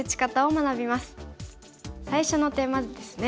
最初のテーマ図ですね。